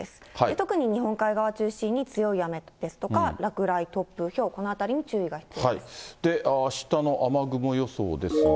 特に日本海側中心に強い雨ですとか、落雷、突風、ひょう、あしたの雨雲予想ですが。